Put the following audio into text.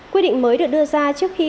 quy định mới được đưa ra trước khi